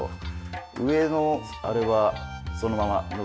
上のあれはそのまま。